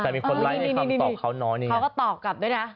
แต่เขาตอบกับด้วยล่ะ